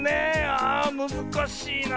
あむずかしいなあ。